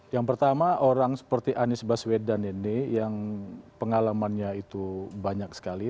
yang pertama orang seperti anies baswedan ini yang pengalamannya itu banyak sekali